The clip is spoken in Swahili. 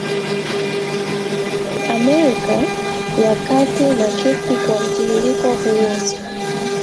Amerika ya kati na kesi kwa mtiririko huo